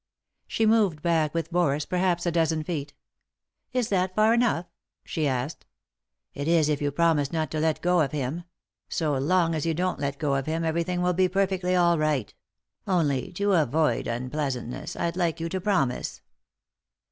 She moved back with Boris perhaps a dozen feet. "Is that far enough ?" she asked, " It is if you promise not to let go of him ; so long as you don't let go of him everything will be perfectly all right : only, to avoid unpleasantness, I'd like you to promise."